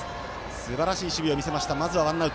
すばらしい守備を見せました。